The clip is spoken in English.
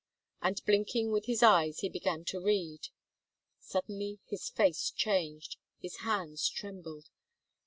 And blinking with his eyes he began to read. Suddenly his face changed, his hands trembled.